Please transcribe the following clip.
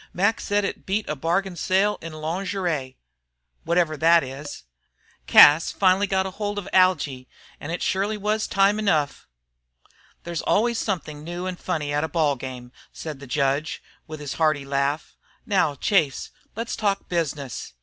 Mac said it beat a bargain sale in loongeree, whatever that is. Cas finally got hold of Algy, and it surely was time enough!" "There's always something new and funny at a ball game," said the judge, with his hearty laugh. "Now, Chase, let's talk business.